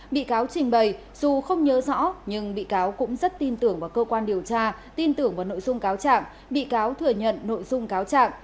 bị cáo trình bày dù không nhớ rõ nhưng bị cáo cũng rất tin tưởng vào cơ quan điều tra tin tưởng vào nội dung cáo trạng bị cáo thừa nhận nội dung cáo trạng